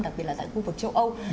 đặc biệt là tại khu vực châu âu